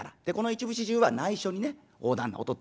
でこの一部始終は内緒にね大旦那